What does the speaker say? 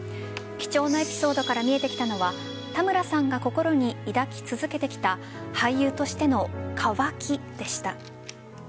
貴重なエピソードから見えてきたのは田村さんが心に抱き続けてきた俳優としての渇きでした。